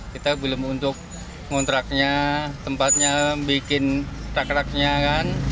kita belum untuk kontraknya tempatnya bikin takraknya kan